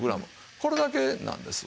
これだけなんですわ。